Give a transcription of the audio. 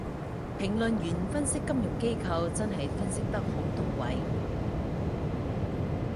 評論員分析金融機構真係分析得好到位